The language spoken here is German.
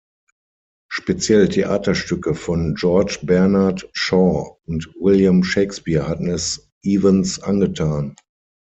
Speziell Theaterstücke von George Bernard Shaw und William Shakespeare hatten es Evans angetan.